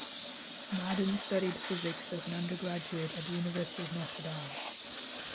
Madden studied physics as an undergraduate at the University of Notre Dame.